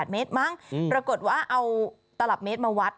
๘เมตรมั้งปรากฏว่าเอาตลับเมตรมาวัด